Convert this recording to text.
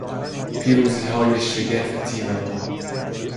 پیروزیهای شگرف تیم ما